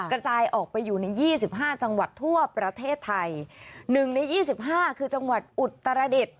กระจายออกไปอยู่ในยี่สิบห้าจังหวัดทั่วประเทศไทยหนึ่งในยี่สิบห้าคือจังหวัดอุตรดิษฐ์